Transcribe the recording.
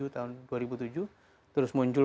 tahun dua ribu tujuh terus muncul